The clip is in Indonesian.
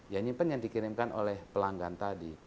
ya menyimpan yang dikirimkan oleh pelanggan tadi